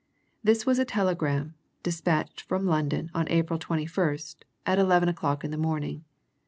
This was a telegram, dispatched from London on April 21st, at eleven o'clock in the morning.